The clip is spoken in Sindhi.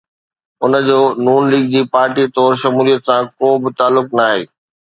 ان جو نون ليگ جي پارٽي طور شموليت سان ڪو به تعلق ناهي.